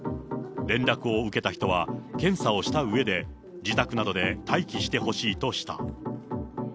連絡を受けた人は、検査をしたうえで、自宅などで待機してほしいとした。